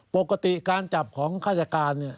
ปกติการจับของฆาติการเนี่ย